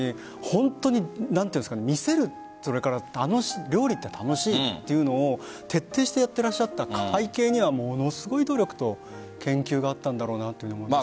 本当に見せるそれから、楽しいというのを徹底してやってらっしゃった背景には、すごい努力と研究があったんだろうなと思いました。